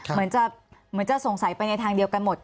เหมือนจะสงสัยไปในทางเดียวกันหมด